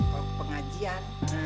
kalau ke pengajian